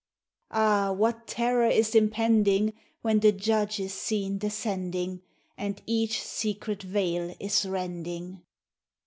Ah! what terror is impending, When the Judge is seen descending, And each secret veil is rending!